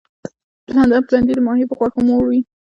د لندن پلنډي د ماهي په غوښو موړ وي.